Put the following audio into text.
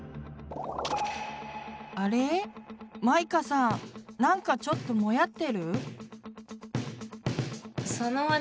あれまいかさんなんかちょっとモヤってる？